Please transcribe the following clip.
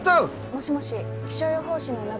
もしもし気象予報士の永浦です。